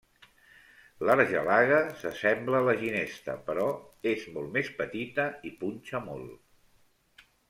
L'argelaga s'assembla a la ginesta però és molt més petita i punxa molt.